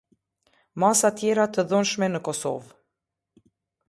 Masa tjera të dhunshme në Kosovë.